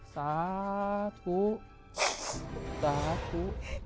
สาธุสาธุ